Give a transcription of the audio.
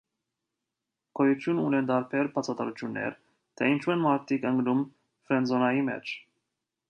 Գոյություն ունեն տարբեր բացատրություններ, թե ինչու են մարդիկ ընկնում ֆրենդզոնայի մեջ։